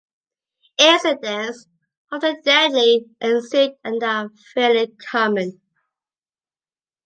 Accidents, often deadly, ensue and are fairly common.